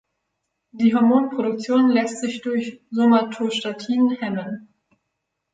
Die Hormonproduktion lässt sich durch Somatostatin hemmen.